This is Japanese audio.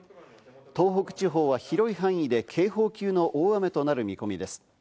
東北地方は広い範囲で警報級の大雨となる見込みです。